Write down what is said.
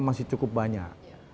masih cukup banyak